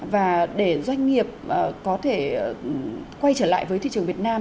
và để doanh nghiệp có thể quay trở lại với thị trường việt nam